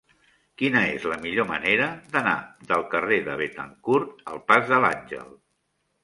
Quina és la millor manera d'anar del carrer de Béthencourt al pas de l'Àngel?